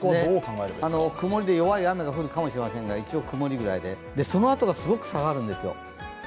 曇りで弱い雨が降るかもしれませんが、一応、曇りぐらいで、そのあとがすごく下がるんですよ。